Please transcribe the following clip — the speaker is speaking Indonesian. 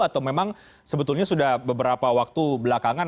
atau memang sebetulnya sudah beberapa waktu belakangan